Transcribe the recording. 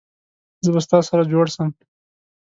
زه به ستا سره جوړ سم